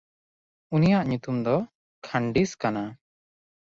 ᱩᱱᱤᱭᱟᱜ ᱧᱩᱛᱩᱢ ᱫᱚ ᱠᱷᱟᱱᱰᱤᱥ ᱠᱟᱱᱟ᱾